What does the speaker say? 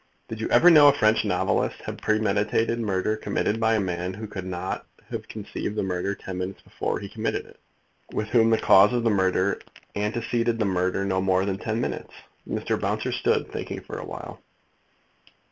"Did you ever know a French novelist have a premeditated murder committed by a man who could not possibly have conceived the murder ten minutes before he committed it; with whom the cause of the murder anteceded the murder no more than ten minutes?" Mr. Bouncer stood thinking for a while.